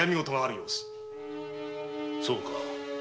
そうか。